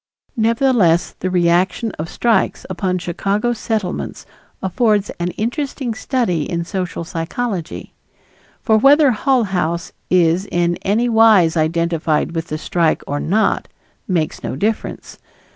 Nevertheless the reaction of strikes upon Chicago Settlements affords an interesting study in social psychology. For whether Hull House is in any wise identified with the strike or not, makes no difference.